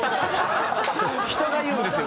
人が言うんですよ